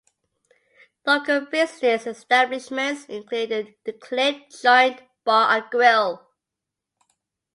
Local business establishments include the Clip Joint Bar and Grill.